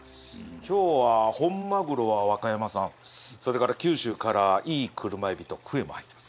今日は本マグロは和歌山産それから九州からいいクルマエビとクエも入ってます。